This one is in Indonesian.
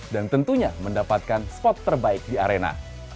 dan tentunya mendapatkan spot terbaik di arena